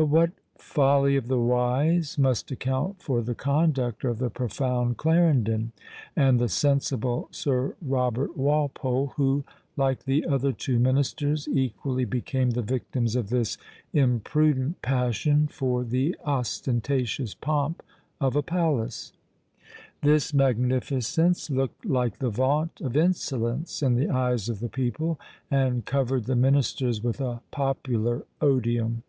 But what "folly of the wise" must account for the conduct of the profound Clarendon, and the sensible Sir Robert Walpole, who, like the other two ministers, equally became the victims of this imprudent passion for the ostentatious pomp of a palace. This magnificence looked like the vaunt of insolence in the eyes of the people, and covered the ministers with a popular odium.